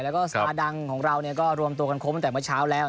แล้วก็สตาร์ดังของเราก็รวมตัวกันครบตั้งแต่เมื่อเช้าแล้ว